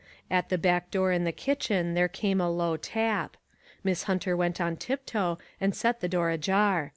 At the back door in the kitchen there came a low tap. Miss Hunter went on tiptoe and set the door ajar.